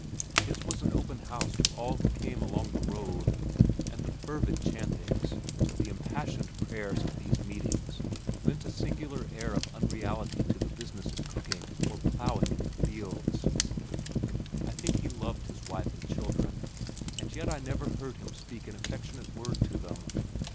His was an open house to all who came along the road, and the fervid chantings, the impassioned prayers of these meetings lent a singular air of unreality to the business of cooking or plowing in the fields. I think he loved his wife and children, and yet I never heard him speak an affectionate word to them.